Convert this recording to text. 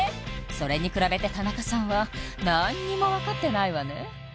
それに比べて田中さんは何にも分かってないわね